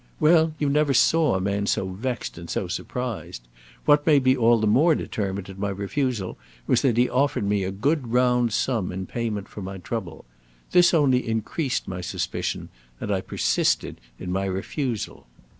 Well, you never saw a man so vexed and so surprised. What made me all the more determined in my refusal was that he offered me a good round sum in payment for my trouble. This only increased my suspicion, and I persisted in my refusal."